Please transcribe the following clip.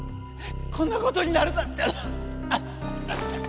こんなことになるなんて。